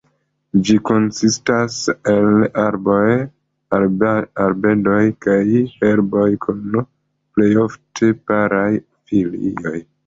Ĝi konsistas el arboj, arbedoj kaj herboj kun plejofte paraj folioj.